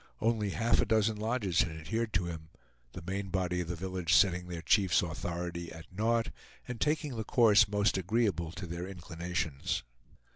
Only half a dozen lodges had adhered to him, the main body of the village setting their chief's authority at naught, and taking the course most agreeable to their inclinations.